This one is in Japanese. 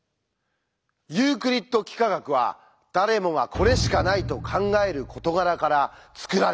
ユークリッド幾何学は誰もが「これしかない」と考える事柄から作られたって。